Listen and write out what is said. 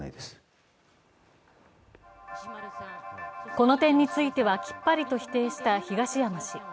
この点についてはきっぱりと否定した東山氏。